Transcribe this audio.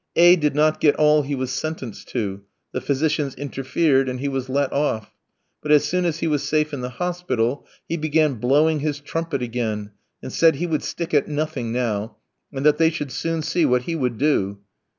A v did not get all he was sentenced to; the physicians interfered, and he was let off. But as soon as he was safe in the hospital he began blowing his trumpet again, and said he would stick at nothing now, and that they should soon see what he would do.